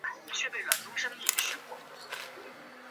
塞那阿巴斯巨人像附近的山脚。